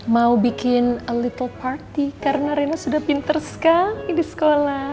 mau bikin little party karena rina sudah pinter sekali di sekolah